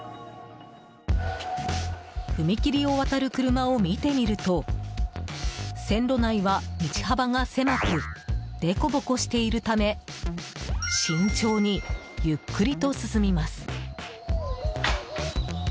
踏切を渡る車を見てみると線路内は道幅が狭くデコボコしているため慎重にゆっくりと進みます。